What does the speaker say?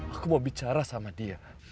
aku mau bicara sama dia